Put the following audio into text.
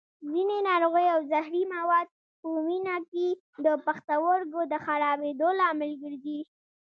ځینې ناروغۍ او زهري مواد په وینه کې د پښتورګو د خرابېدو لامل ګرځي.